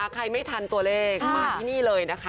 ใครไม่ทันตัวเลขมาที่นี่เลยนะคะ